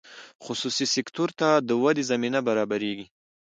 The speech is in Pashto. خصوصي سکتور ته د ودې زمینه برابریږي.